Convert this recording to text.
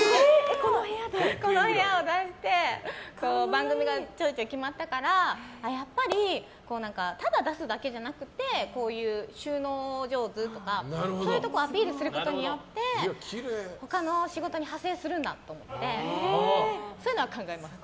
この部屋を出して番組がちょいちょい決まったからやっぱりただ出すだけじゃなくてこういう収納上手とかそういうところをアピールすることによって他の仕事に派生するんだと思ってそういうのは考えます。